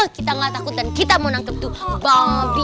kita gak takut dan kita mau nangkep tuh bau